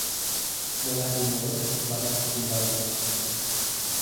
Murah di mulut mahal di timbangan